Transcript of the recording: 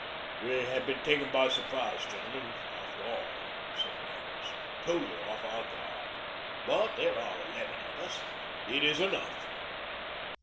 "We have been taken by surprise, gentlemen, after all," said Magnus. "Totally off our guard. But there are eleven of us. It is enough."